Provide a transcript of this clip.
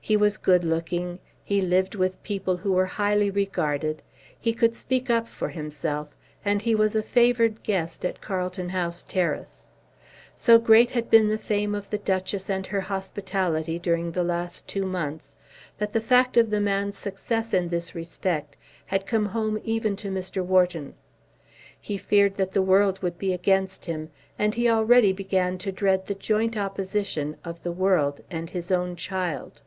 He was good looking, he lived with people who were highly regarded, he could speak up for himself, and he was a favoured guest at Carlton House Terrace. So great had been the fame of the Duchess and her hospitality during the last two months, that the fact of the man's success in this respect had come home even to Mr. Wharton. He feared that the world would be against him, and he already began to dread the joint opposition of the world and his own child.